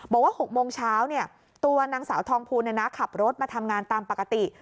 บอกว่า๖โมงเช้าเนี่ยตัวนางสาวทองพูนเนี่ยนะขับรถมาทำงานตามปกติ